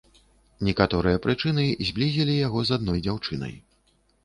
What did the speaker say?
Некаторыя прычыны зблізілі яго з адной дзяўчынай.